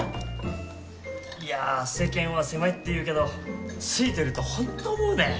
いやあ世間は狭いっていうけど粋といると本当思うね。